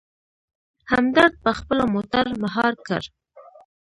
همدرد په خپله موټر مهار کړ.